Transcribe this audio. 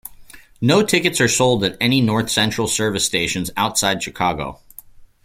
No tickets are sold at any North Central Service stations outside Chicago.